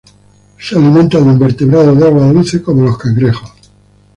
Se alimenta de invertebrados de agua dulce, como los cangrejo.